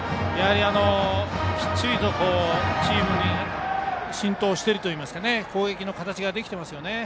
きっちりとチームに浸透しているといいますか攻撃の形ができていますね。